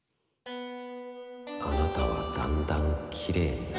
「あなたはだんだんきれいになる」